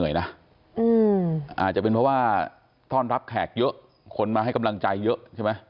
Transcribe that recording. อาจจะเป็นเพราะว่าต้อนรับแขกเยอะคนมาให้กำลังใจเยอะใช่ไหม